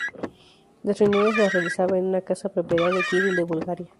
Las reuniones las realizaba en una casa propiedad de Kiril de Bulgaria.